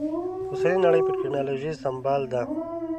اوسنۍ نړۍ په ټکنالوژي سمبال ده